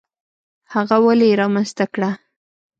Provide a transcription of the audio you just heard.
هغه ولې یې رامنځته کړه؟